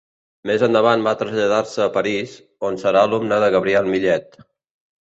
Més endavant va traslladar-se a París, on serà alumne de Gabriel Millet.